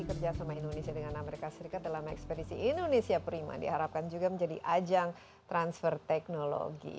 kerjasama indonesia dengan amerika serikat dalam ekspedisi indonesia prima diharapkan juga menjadi ajang transfer teknologi